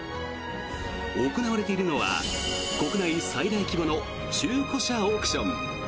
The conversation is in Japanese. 行われているのは国内最大規模の中古車オークション。